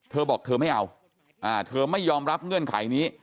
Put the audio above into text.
เธอบอกเธอไม่เอาเธอไม่ยอมรับเงื่อนไขนี้